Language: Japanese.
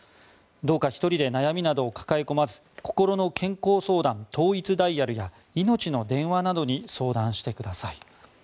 どうか１人で悩みなどを抱え込まずこころの健康相談統一ダイヤルやいのちの電話などに相談してください。